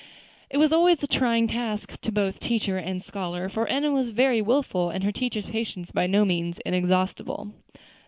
It was always a trying task to both teacher and scholar, for Enna was very wilful, and her teacher's patience by no means inexhaustible.